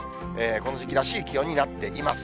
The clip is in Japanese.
この時期らしい気温になっています。